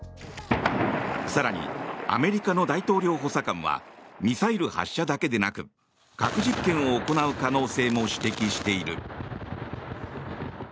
更に、アメリカの大統領補佐官はミサイル発射だけでなく核実験を行う可能性も指摘している。